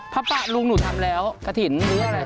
พระปะลุงหนูทำแล้วกระถิ่นหรืออะไร